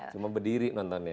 cuma berdiri nonton ya